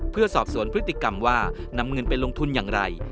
เพื่อสอบสวนพฤติกรรมว่านำเงินไปลงทุนอย่างไร